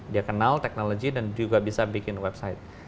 dia kenal teknologi dan juga bisa bikin website